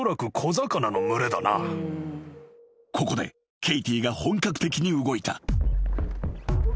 ［ここでケイティが本格的に動いた］